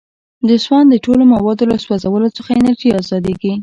د سون د ټولو موادو له سوځولو څخه انرژي ازادیږي.